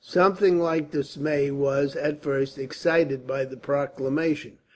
Something like dismay was, at first, excited by the proclamation.